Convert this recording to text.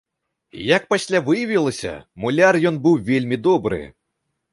Як пасля выявілася, муляр ён быў вельмі добры.